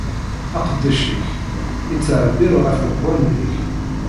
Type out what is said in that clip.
Aqeddac-ik ittɛebbir ɣef leqwanen-ik.